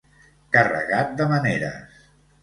Carregat de maneres.